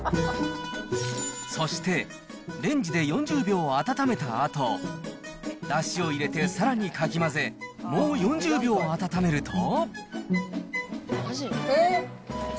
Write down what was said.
そして、レンジで４０秒温めたあと、だしを入れてさらにかき混ぜ、もう４０秒温めると。